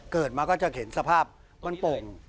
เกิดมาก็จะเห็นสภาพบ้านโป่ง